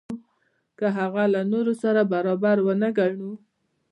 که هغه له نورو سره برابر ونه ګڼو.